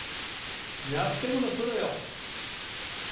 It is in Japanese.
狙ってこそプロよ。